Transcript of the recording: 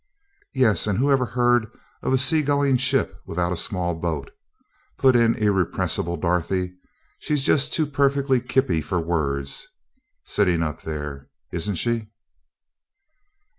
"Yes, and whoever heard of a sea going ship without a small boat?" put in irrepressible Dorothy. "She's just too perfectly kippy for words, sitting up there, isn't she?"